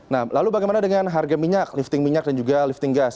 nah lalu bagaimana dengan harga minyak lifting minyak dan juga lifting gas